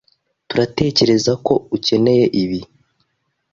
turatekerezako ukeneye ibi.